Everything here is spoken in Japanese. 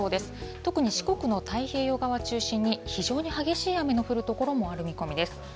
特に四国の太平洋側中心に、非常に激しい雨の降る所もある見込みです。